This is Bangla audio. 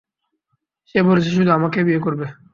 সে বলেছে শুধু আমাকেই বিয়ে করবে।